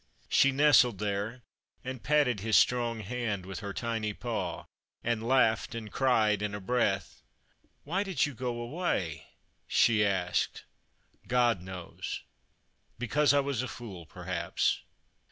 She nestled there, and patted his strong hand Avith her tiny paw, and lauo hed and cried in a breath. " Why did you go away ?" she asked. " God. knows. Because I was a fool, perhaps."